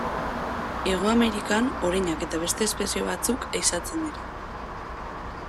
Hego Amerikan, oreinak eta beste espezie batzuk ehizatzen dira.